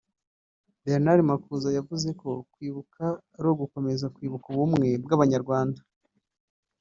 Bernard Makuza yavuze ko kwibuka ari ugukomera ku bumwe bw'abanyarwanda